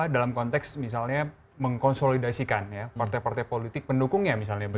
dalam konteks misalnya mengkonsolidasikan partai partai politik pendukungnya